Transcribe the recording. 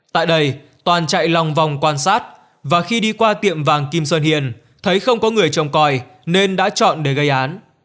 tại đây toàn chạy lòng vòng quan sát và khi đi qua tiệm vàng kim sơn hiền thấy không có người trông coi nên đã chọn để gây án